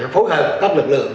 phối hợp các lực lượng